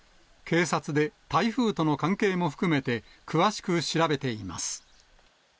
警察で台風との関係も含めて、詳しく調べています。